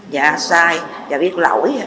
dạ sai dạ biết lỗi